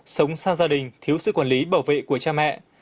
sống xa gia đình thiếu sự quản lý bảo vệ của cha mẹ